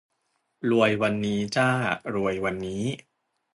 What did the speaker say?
รวยวันนี้จ้า รวยวันนี้